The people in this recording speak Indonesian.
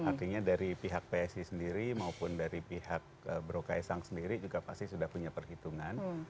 artinya dari pihak psi sendiri maupun dari pihak bro kaisang sendiri juga pasti sudah punya perhitungan